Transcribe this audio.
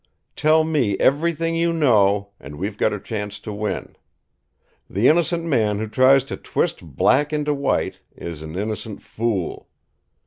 Tell me everything you know, and we've got a chance to win. The innocent man who tries to twist black into white is an innocent fool."